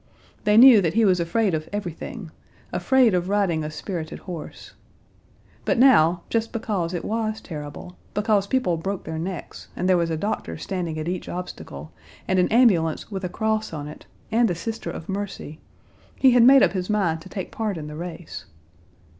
They knew that he was afraid of everything, afraid of riding a spirited horse. But now, just because it was terrible, because people broke their necks, and there was a doctor standing at each obstacle, and an ambulance with a cross on it, and a sister of mercy, he had made up his mind to take part in the race.